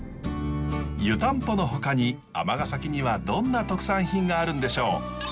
湯たんぽのほかに尼崎にはどんな特産品があるんでしょう？